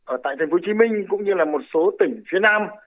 ở tp hcm cũng như là một số tỉnh phía nam